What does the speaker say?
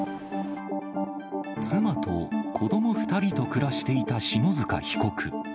妻と子ども２人と暮らしていた篠塚被告。